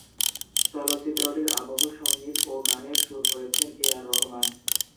চলচ্চিত্রটির আবহ সঙ্গীত ও গানের সুর করেছেন এ আর রহমান।